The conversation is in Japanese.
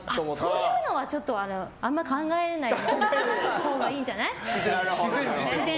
そういうのは、あんまり考えないほうがいいんじゃない。